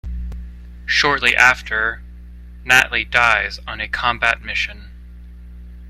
Shortly after, Nately dies on a combat mission.